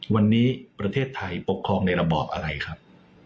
วันนี้ประเทศไทยปกครองในระบอบอะไรครับ